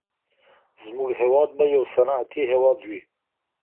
زموږ هېواد به يو صنعتي هېواد وي.